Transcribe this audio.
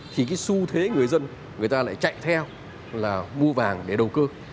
thì cái xu thế người dân người ta lại chạy theo là mua vàng để đầu cơ